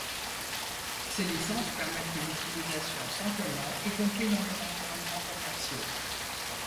Ces licences permettent une utilisation sans paiement, y compris dans les environnements commerciaux.